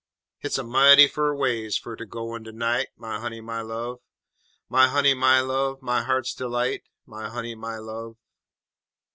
Hit's a mighty fur ways fer ter go in de night, My honey, my love! _My honey, my love, my heart's delight My honey, my love!